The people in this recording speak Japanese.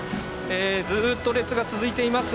ずっと列が続いています。